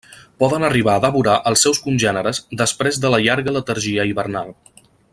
Poden arribar a devorar als seus congèneres després de la llarga letargia hivernal.